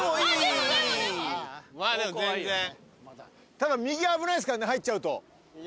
ただ右危ないですからね入っちゃうと。